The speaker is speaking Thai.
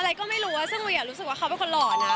อะไรก็ไม่รู้ว่าซึ่งเวียรู้สึกว่าเขาเป็นคนหล่อนะ